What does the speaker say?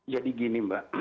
jadi gini mbak